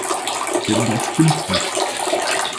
Denn das stimmt nicht.